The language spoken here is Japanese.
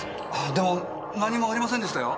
でも何もありませんでしたよ？